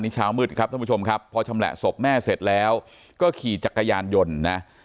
เช้ามืดครับท่านผู้ชมครับพอชำแหละศพแม่เสร็จแล้วก็ขี่จักรยานยนต์นะ